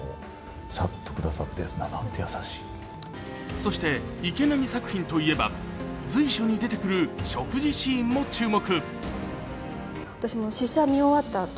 そして池波作品といえば、随所に出てくる食事シーンも注目。